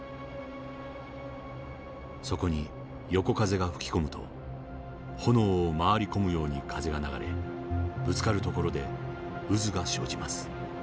そこに横風が吹き込むと炎を回り込むように風が流れぶつかる所で渦が生じます。